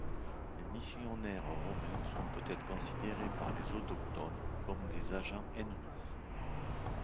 Les missionnaires romains sont peut-être considérés par les autochtones comme des agents ennemis.